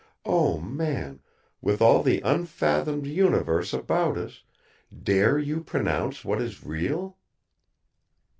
Oh man, with all the unfathomed universe about us, dare you pronounce what is real?"